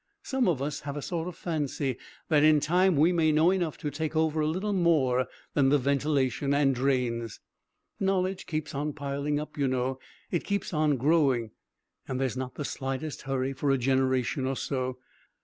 Some of us have a sort of fancy that in time we may know enough to take over a little more than the ventilation and drains. Knowledge keeps on piling up, you know. It keeps on growing. And there's not the slightest hurry for a generation or so.